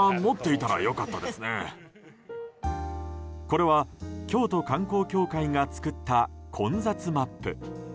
これは京都観光協会が作った混雑マップ。